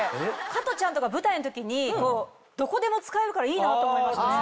加トちゃんとか舞台の時にどこでも使えるからいいなと思いましたね。